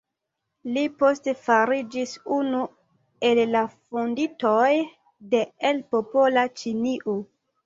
Li poste fariĝis unu el la fondintoj de "El Popola Ĉinio".